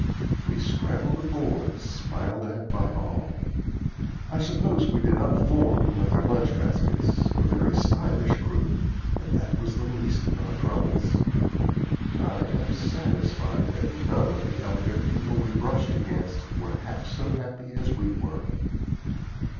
We scrambled aboard, smiled at by all. I suppose we did not form, with our lunch baskets, a very stylish group, but that was the least of our troubles. I am satisfied that none of the elegant people we brushed against were half so happy as we were.